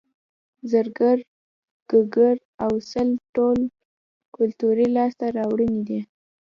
زرګر ګګر او سل ټول کولتوري لاسته راوړنې دي